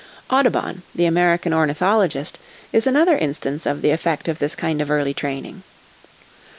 Audubon, the American ornithologist, is another instance of the effect of this kind of early training.